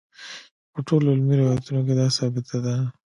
په ټولو علمي روایتونو کې دا ثابته ده.